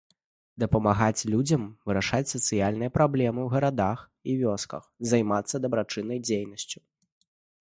Дапамагаць людзям вырашаць сацыяльныя праблемы ў гарадах і вёсках, займацца дабрачыннай дзейнасцю.